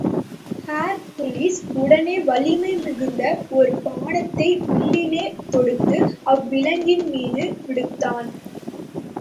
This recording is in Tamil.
ஹெர்க்குலிஸ் உடனே வலிமை மிகுந்த ஒரு பானத்தை வில்லிலே தொடுத்து, அவ்விலங்கின் மீது விடுத்தான்.